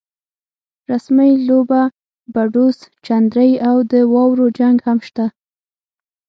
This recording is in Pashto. رسمۍ لوبه، پډوس، چندرۍ او د واورو جنګ هم شته.